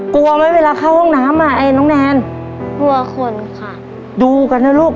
กลัวไหมเวลาเข้าห้องน้ำอ่ะไอ้น้องแนนกลัวคนค่ะดูกันนะลูก